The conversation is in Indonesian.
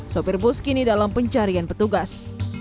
sopir bus kini dalam pencarian petugas